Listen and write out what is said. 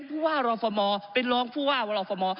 ท่านพฤหรษภมา๋อเป็นล้องพฤหรษภมา๋อ